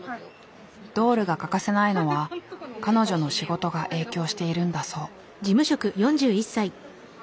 ドールが欠かせないのは彼女の仕事が影響しているんだそう。